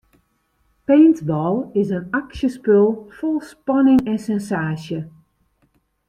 Paintball is in aksjespul fol spanning en sensaasje.